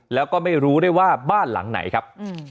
แล้วก็ไม่รู้ได้ว่าบ้านหลังไหนครับ